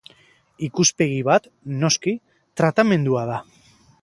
Ikuspegi bat, noski, tratamendua da.